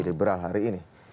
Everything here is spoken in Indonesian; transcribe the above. liberal hari ini